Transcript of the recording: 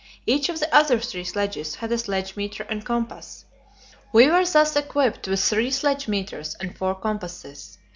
Each of the other three sledges had a sledge meter and compass. We were thus equipped with three sledge meters and four compasses.